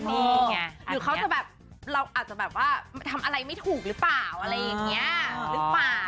นี่ไงหรือเขาจะแบบเราอาจจะแบบว่าทำอะไรไม่ถูกหรือเปล่าอะไรอย่างนี้หรือเปล่า